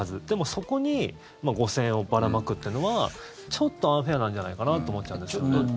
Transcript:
でも、そこに５０００円をばらまくというのはちょっとアンフェアなんじゃないかなと思っちゃうんですね。